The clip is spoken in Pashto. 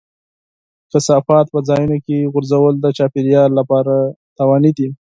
کثافات په ځایونو کې غورځول د چاپېریال لپاره زیانمن دي.